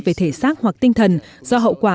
về thể xác hoặc tinh thần do hậu quả